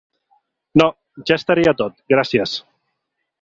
No, ja estaria tot, gràcies.